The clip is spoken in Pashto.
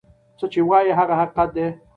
څه چی وای هغه حقیقت دی.